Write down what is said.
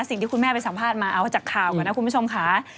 สิ่งที่คุณแม่ไปสัมภาษณ์มาเอาจากข่าวก่อนนะคุณผู้ชมค่ะ